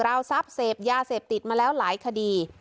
ราวทรัพย์เสพยาเสพติดมาแล้วหลายคดี